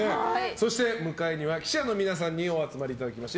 そして向かいには記者の皆さんにお集まりいただきました。